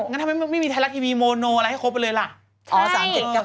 งั้นทำไมไม่มีไทยรัฐทีวีโมโนอะไรให้ครบไปเลยล่ะ